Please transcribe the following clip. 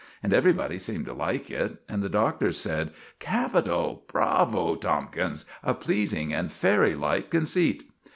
And everybody seemed to like it; and the Doctor said: "Capital! Bravo, Tomkins a pleasing and fairy like conceit!"